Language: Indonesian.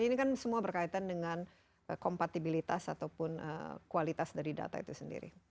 ini kan semua berkaitan dengan kompatibilitas ataupun kualitas dari data itu sendiri